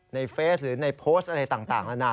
เฟสหรือในโพสต์อะไรต่างนานา